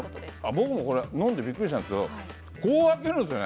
僕もこれ飲んでびっくりしたんですけど、こう開けるんですね。